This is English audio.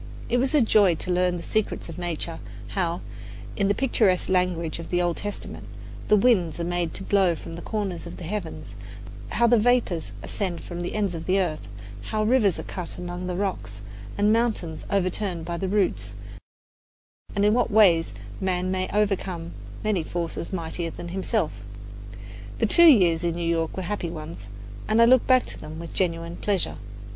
It was a joy to learn the secrets of nature: how in the picturesque language of the Old Testament the winds are made to blow from the four corners of the heavens, how the vapours ascend from the ends of the earth, how rivers are cut out among the rocks, and mountains overturned by the roots, and in what ways man may overcome many forces mightier than himself. The two years in New York were happy ones, and I look back to them with genuine pleasure.